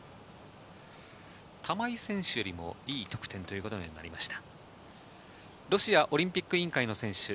玉井選手よりもいい得点ということにはなりました。